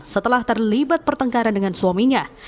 setelah terlibat pertengkaran dengan suaminya